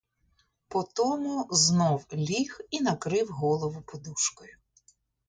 По тому знов ліг і накрив голову подушкою.